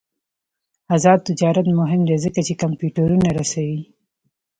آزاد تجارت مهم دی ځکه چې کمپیوټرونه رسوي.